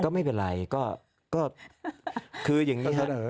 ก็ไม่เป็นไรก็คืออย่างนี้ครับ